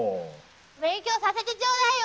勉強させてちょうだいよ！